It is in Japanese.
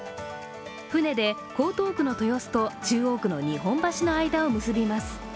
船で江東区の豊洲と中央区の日本橋の間を結びます。